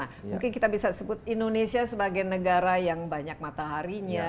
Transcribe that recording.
mungkin kita bisa sebut indonesia sebagai negara yang banyak mataharinya